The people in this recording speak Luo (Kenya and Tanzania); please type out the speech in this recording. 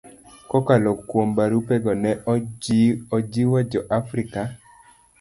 Kokalo kuom barupego, ne ojiwo Jo-Afrika